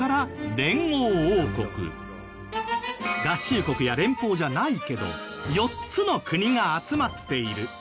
合衆国や連邦じゃないけど４つの国が集まっている。